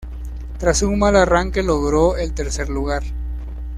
Tras un mal arranque logró el tercer lugar.